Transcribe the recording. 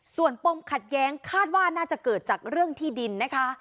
ส่วนปมขัดแย้งคาดว่าน่าจะเกิดจากเรื่องที่ดินนะคะ